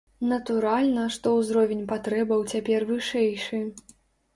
Натуральна, што ўзровень патрэбаў цяпер вышэйшы.